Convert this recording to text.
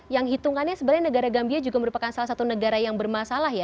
yang hitungannya sebenarnya negara gambia juga merupakan salah satu negara yang bermasalah ya